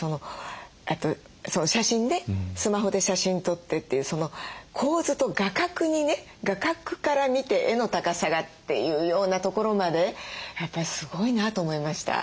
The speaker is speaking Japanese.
あと写真ねスマホで写真撮ってっていうその構図と画角にね画角から見て絵の高さがっていうようなところまでやっぱりすごいなと思いました。